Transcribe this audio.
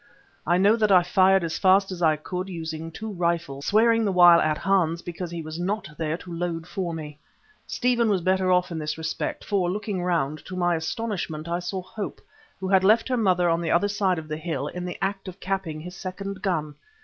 I know that I fired as fast as I could using two rifles, swearing the while at Hans because he was not there to load for me. Stephen was better off in this respect, for, looking round, to my astonishment I saw Hope, who had left her mother on the other side of the hill, in the act of capping his second gun.